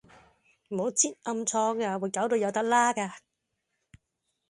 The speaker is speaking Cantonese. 唔好擳暗瘡呀，會搞到有笪瘌架